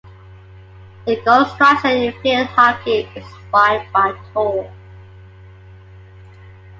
The goal structure in field hockey is wide by tall.